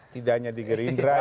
tidak hanya di gerindra